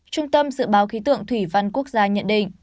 trung tâm dự báo khí tượng thủy văn quốc gia nhận định